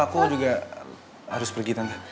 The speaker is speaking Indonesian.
aku juga harus pergi tanda